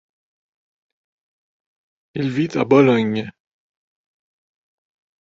Il vit à Bologne.